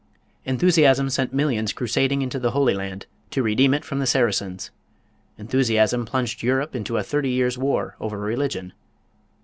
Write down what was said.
Enthusiasm sent millions crusading into the Holy Land to redeem it from the Saracens. Enthusiasm plunged Europe into a thirty years' war over religion.